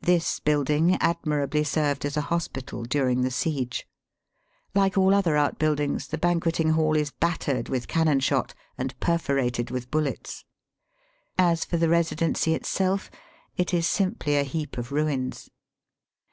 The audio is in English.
This building admirably served as a hospital during the siege. Like all other outbuildings, the banqueting hall is battered with cannon shot and perforated with bullets. As for the Eesidency itseK, it is simply a heap of ruins.